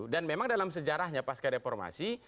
dan memang dalam sejarahnya pas kereformasi